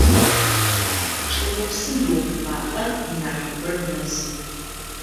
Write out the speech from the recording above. Чӏыопсым иухъумапӏэ инахьыбэр мэзы.